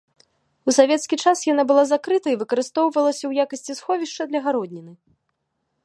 У савецкі час яна была закрыта і выкарыстоўвалася ў якасці сховішча для гародніны.